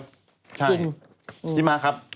ใช่ชิมมาครับ